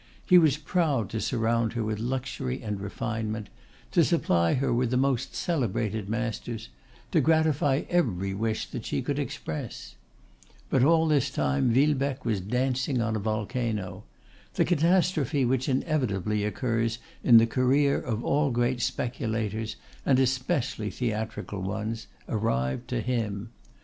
He was proud to surround her with luxury and refinement; to supply her with the most celebrated masters; to gratify every wish that she could express. But all this time Villebecque was dancing on a volcano. The catastrophe which inevitably occurs in the career of all great speculators, and especially theatrical ones, arrived to him.